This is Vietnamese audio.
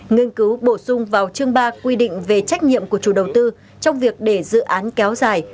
nghiên cứu bổ sung vào chương ba quy định về trách nhiệm của chủ đầu tư trong việc để dự án kéo dài